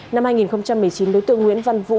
năm hai nghìn một mươi chín đối tượng nguyễn văn vũ